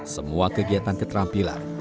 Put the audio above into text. semua kegiatan keterampilan